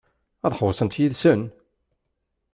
Ad ḥewwsent yid-sen?